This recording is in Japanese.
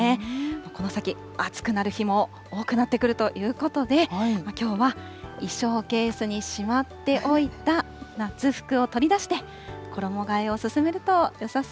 この先、暑くなる日も多くなってくるということで、きょうは衣装ケースにしまっておいた夏服を取り出して、衣がえを進めるとよさ